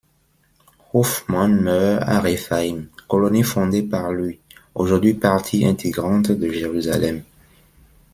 Hoffmann meurt à Rephaïm, colonie fondée par lui, aujourd'hui partie intégrante de Jérusalem.